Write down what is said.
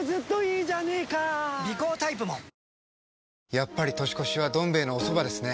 やっぱり年越しは「どん兵衛」のおそばですね。